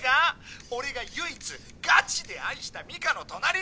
俺が唯一がちで愛したミカの隣に！